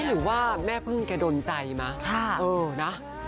หรือว่าแม่พึ่งแกโดนใจไหม